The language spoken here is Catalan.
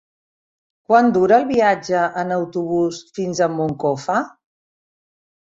Quant dura el viatge en autobús fins a Moncofa?